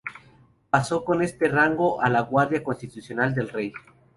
Pasó con este rango a la Guardia Constitucional del Rey.